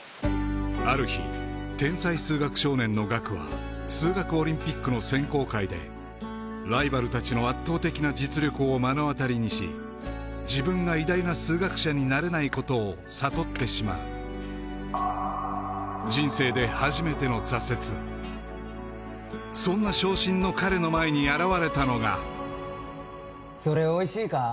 ある日天才数学少年の岳は数学オリンピックの選考会でライバルたちの圧倒的な実力を目の当たりにし自分が偉大な数学者になれないことを悟ってしまう人生でそんな傷心の彼の前に現れたのがそれおいしいか？